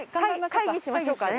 会議しましょうかね。